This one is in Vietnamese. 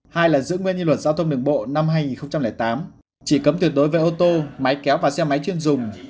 hai là giữ nguyên như luật giao thông đường bộ năm hai nghìn tám chỉ cấm tuyệt đối với ô tô máy kéo và xe máy chuyên dùng